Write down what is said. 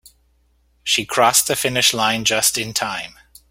She crossed the finish line just in time.